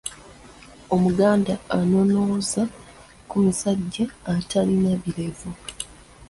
Omuganda anonooza ku musajja atalina birevu.